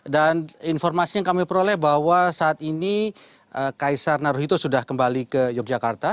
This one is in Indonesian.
dan informasi yang kami peroleh bahwa saat ini kaisar naruhito sudah kembali ke yogyakarta